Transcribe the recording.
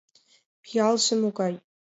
Пиалже могай!